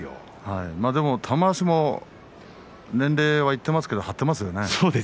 玉鷲も年齢はいっていますけども張っていますね。